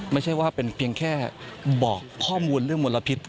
ไม่ใช่ว่าเป็นเพียงแค่บอกข้อมูลเรื่องมลพิษ